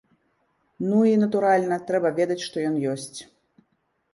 Ну і, натуральна, трэба ведаць, што ён ёсць.